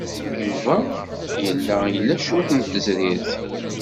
Yuba yella ila cwiṭ n tezrirt.